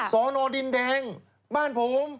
สอนอดินแดงบ้านผม